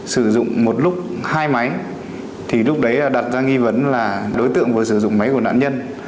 sử dụng một lúc hai máy thì lúc đấy đặt ra nghi vấn là đối tượng vừa sử dụng máy của nạn nhân